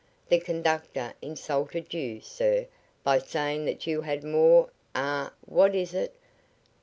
The conductor insulted you, sir, by saying that you had more ah, what is it?